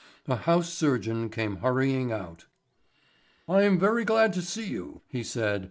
A house surgeon came hurrying out. "I am very glad to see you," he said.